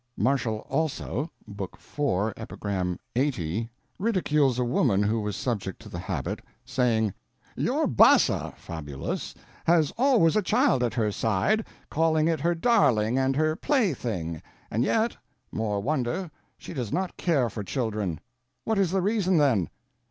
Martial also (Book IV, Epigram LXXX), ridicules a woman who was subject to the habit, saying, "Your Bassa, Fabullus, has always a child at her side, calling it her darling and her plaything; and yet more wonder she does not care for children. What is the reason then.